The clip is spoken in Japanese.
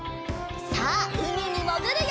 さあうみにもぐるよ！